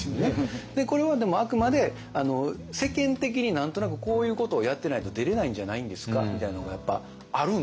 でこれはでもあくまで世間的に何となくこういうことをやってないと出れないんじゃないんですかみたいなのがやっぱあるんですよ。